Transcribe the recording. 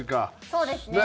そうですね。